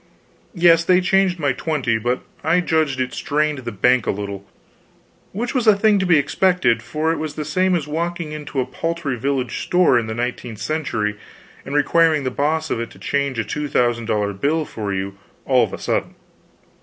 Yes, they changed my twenty, but I judged it strained the bank a little, which was a thing to be expected, for it was the same as walking into a paltry village store in the nineteenth century and requiring the boss of it to change a two thousand dollar bill for you all of a sudden.